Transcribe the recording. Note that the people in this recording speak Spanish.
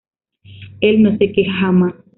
Él no se queja jamás.